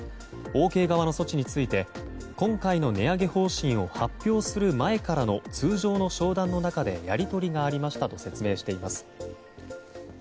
オーケー側の措置について今回の値上げ方針を発表する前からの通常の商談の中でやり取りがありましたと説明しています。